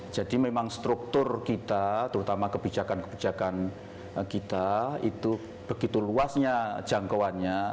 jadi memang struktur kita terutama kebijakan kebijakan kita itu begitu luasnya jangkauannya